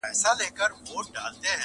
په نړۍ کي زموږ د توري شور ماشور وو-